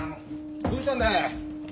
どうしたんだい？